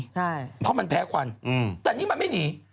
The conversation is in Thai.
ใช่เพราะมันแพ้ควันแต่นี่มันไม่หนี